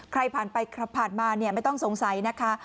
ใครผ่านไปผ่านมาไม่ต้องสงสัยนะคะ